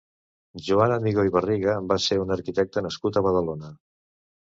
Joan Amigó i Barriga va ser un arquitecte nascut a Badalona.